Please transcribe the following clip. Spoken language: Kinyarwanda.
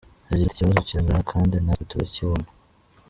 Yagize ati “Iki kibazo kiragaragara kandi natwe turakibona.